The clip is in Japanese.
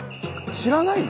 知らないの？